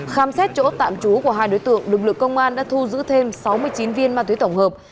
khám xét chỗ tạm trú của hai đối tượng lực lượng công an đã thu giữ thêm sáu mươi chín viên ma túy tổng hợp